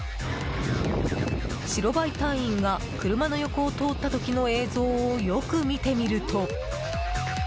白バイ隊員が車の横を通った時の映像をよく見てみると。